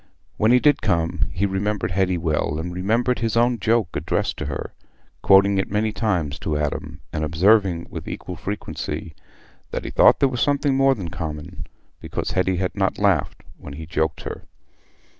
When he did come he remembered Hetty well, and remembered his own joke addressed to her, quoting it many times to Adam, and observing with equal frequency that he thought there was something more than common, because Hetty had not laughed when he joked her.